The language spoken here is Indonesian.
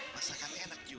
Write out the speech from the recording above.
masakannya enak juga nih nek